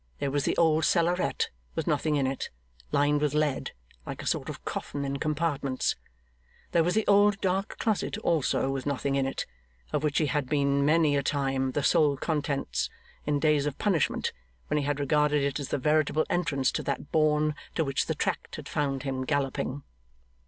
There was the old cellaret with nothing in it, lined with lead, like a sort of coffin in compartments; there was the old dark closet, also with nothing in it, of which he had been many a time the sole contents, in days of punishment, when he had regarded it as the veritable entrance to that bourne to which the tract had found him galloping.